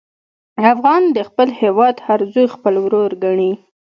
افغان د خپل هېواد هر زوی خپل ورور ګڼي.